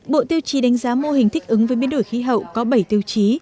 bộ tiêu chí đánh giá mô hình thích ứng với biến đổi khí hậu có bảy tiêu chí